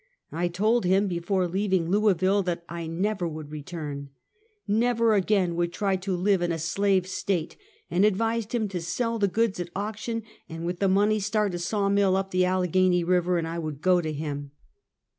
I told him before leaving Louisville, that I never would return — never again would try to live in a slave State, and advised him to sell the goods at auction, and with the money start a sawmill up the Allegheny river, and I would go to him.